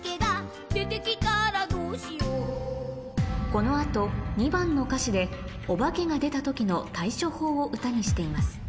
この後２番の歌詞でおばけが出た時の対処法を歌にしています